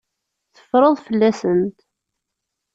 Teffreḍ fell-asent.